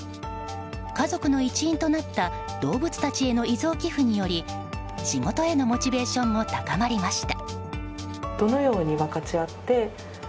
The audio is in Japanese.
家族の一員となった動物たちへの遺贈寄付により仕事へのモチベーションも高まりました。